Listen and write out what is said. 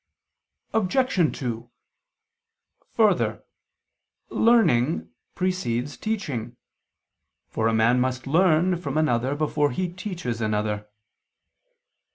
Obj. 2: Further, learning precedes teaching, for a man must learn from another before he teaches another.